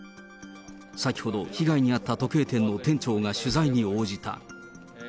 先ほど、被害に遭った時計店の店長が取材に応じた。